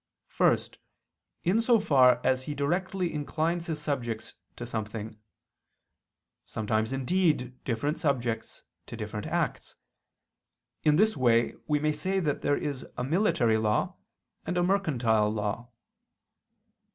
First, in so far as he directly inclines his subjects to something; sometimes indeed different subjects to different acts; in this way we may say that there is a military law and a mercantile law.